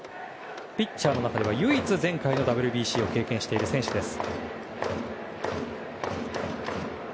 ピッチャーの中では唯一前回のＷＢＣを経験している選手です。